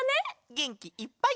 げんきいっぱい！